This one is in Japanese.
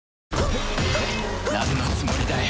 なんのつもりだい？